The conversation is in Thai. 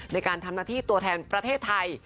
ในการทำหน้าที่ตัวแทนประเทศไทย